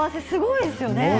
すごいですね。